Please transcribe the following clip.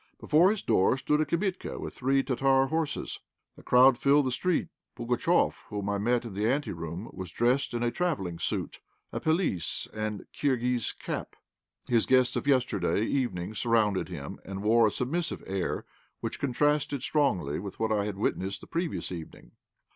Before his door stood a "kibitka" with three Tartar horses. The crowd filled the street. Pugatchéf, whom I met in the ante room, was dressed in a travelling suit, a pelisse and Kirghiz cap. His guests of yesterday evening surrounded him, and wore a submissive air, which contrasted strongly with what I had witnessed the previous evening.